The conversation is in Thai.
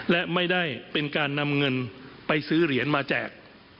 และไม่ได้เป็นการนำเงินไปซื้อเหรียญมาแจก